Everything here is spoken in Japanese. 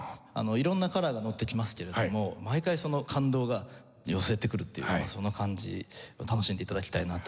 色んなカラーが乗ってきますけれども毎回その感動が寄せてくるというかその感じ楽しんで頂きたいなと思います。